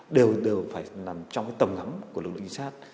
đều đều phải nằm trong cái tầm ngắm của lực lượng di sát